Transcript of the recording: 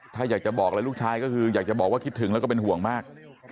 ถ้าอยากจะบอกอะไรลูกชายก็คืออยากจะบอกว่าคิดถึงแล้วก็เป็นห่วงมาก